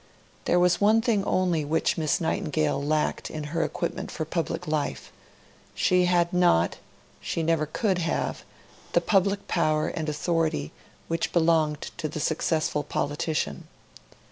There was one thing only which Miss Nightingale lacked in her equipment for public life; she had not she never could have the public power and authority which belonged to the successful politician.